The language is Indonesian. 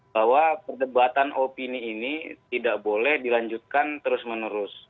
bahwa perdebatan opini ini tidak boleh dilanjutkan terus menerus